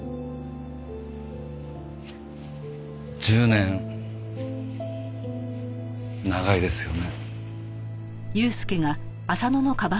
１０年長いですよね。